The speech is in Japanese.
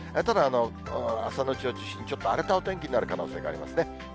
ただ、朝のうちを中心にちょっと荒れたお天気になる可能性がありますね。